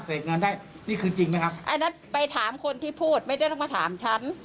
เงินได้นี่คือจริงไหมครับอันนั้นไปถามคนที่พูดไม่ได้ต้องมาถามฉัน